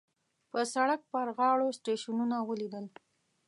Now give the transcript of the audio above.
په سړک په غاړو سټیشنونه وليدل.